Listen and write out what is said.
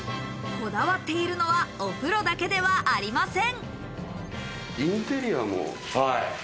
こだわっているのはお風呂だけではありません。